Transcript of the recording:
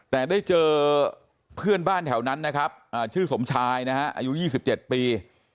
แต่ได้เจอเพื่อนบ้านแถวนั้นนะครับชื่อสมชายนะฮะอายุ๒๗ปี